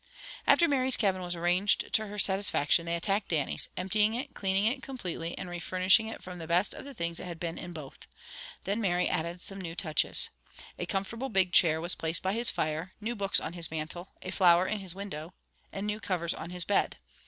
After Mary's cabin was arranged to her satisfaction, they attacked Dannie's; emptying it, cleaning it completely, and refurnishing it from the best of the things that had been in both. Then Mary added some new touches. A comfortable big chair was placed by his fire, new books on his mantle, a flower in his window, and new covers on his bed.